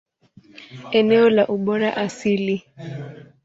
Eneo la ubora asili.